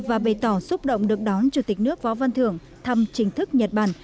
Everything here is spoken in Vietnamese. và bày tỏ xúc động được đón chủ tịch nước võ văn thưởng thăm chính thức nhật bản